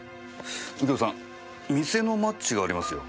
右京さん店のマッチがありますよ。